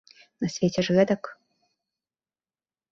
На свеце ж гэтак.